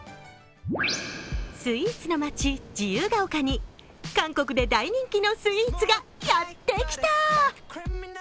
スイーツの町、自由が丘に韓国で大人気のスイーツがやって来た。